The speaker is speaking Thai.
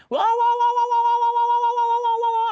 โววววนี่